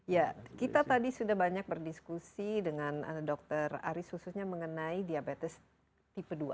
ya kita tadi sudah banyak berdiskusi dengan dr aris khususnya mengenai diabetes tipe dua